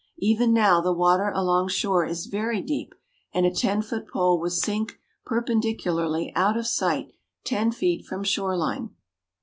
Even now the water along shore is very deep, and a ten foot pole would sink perpendicularly out of sight ten feet from shore line.